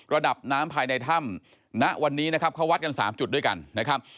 ระดับน้ำภายในถ้ำณวันนี้นะครับเขาวัดกัน๓จุดด้วยกันนะครับ